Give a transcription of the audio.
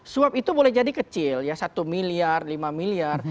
suap itu boleh jadi kecil ya satu miliar lima miliar